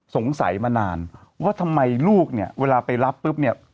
สงสัยมานานว่าทำไมลูกเนี่ยเวลาไปรับปุ๊บเนี่ย